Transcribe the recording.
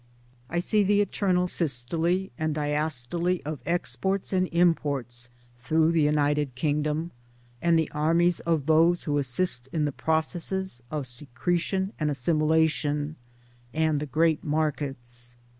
I see the eternal systole and Towards Democracy 57 diastole of exports and imports through the United Kingdom, and the armies of those who assist in the processes of secretion and assimilation — and the great markets.